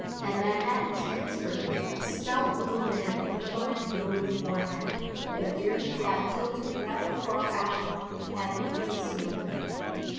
At Manhattan Transfer a stout little man with a fine domy forehead and a derby hat tilted rather far aft had entered the smoker.